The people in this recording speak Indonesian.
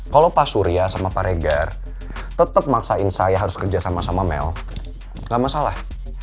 kalau pak surya sama pak regar tetap maksain saya harus kerja sama sama mel gak masalah